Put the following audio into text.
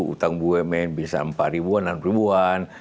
utang bumn bisa empat ribuan enam ribuan